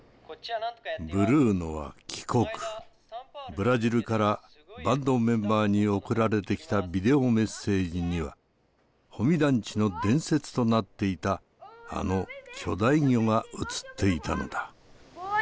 ブラジルからバンドメンバーに送られてきたビデオメッセージには保見団地の伝説となっていたあの巨大魚が映っていたのだ。